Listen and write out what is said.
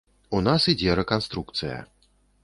У нас ідзе рэканструкцыя.